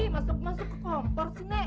masuk masuk ke kompor sini